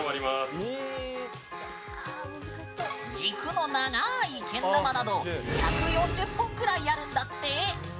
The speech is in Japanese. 軸の長いけん玉など１４０本くらいあるんだって！